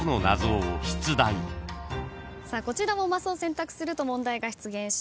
こちらもマスを選択すると問題が出現します。